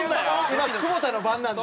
今久保田の番なんで。